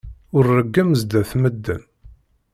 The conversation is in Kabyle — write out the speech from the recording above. Ur reggem sdat medden.